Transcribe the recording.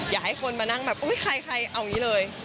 อยากให้คนมานั่งแบบอุ๊ยใครเอาอย่างนี้เลย